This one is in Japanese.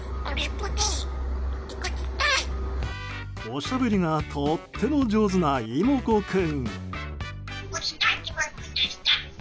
おしゃべりがとっても上手な妹子君。